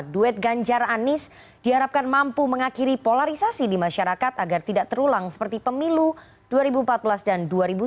duet ganjar anis diharapkan mampu mengakhiri polarisasi di masyarakat agar tidak terulang seperti pemilu dua ribu empat belas dan dua ribu sembilan belas